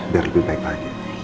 biar lebih baik lagi